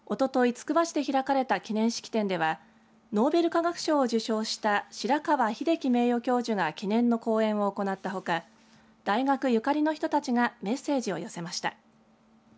つくば市で開かれた記念式典ではノーベル化学賞を受賞した白川英樹名誉教授が記念の講演を行ったほか大学ゆかりの人たちがメッセージを寄せました。